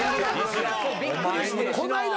こないだ